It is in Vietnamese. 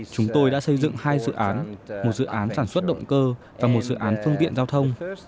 chúng tôi đã xây dựng hai dự án một dự án sản xuất động cơ và một dự án phương tiện giao thông